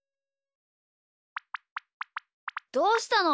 どうしたの？